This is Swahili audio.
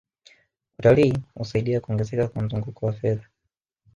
utalii husaidia kuongezeka kwa mzunguko wa fedha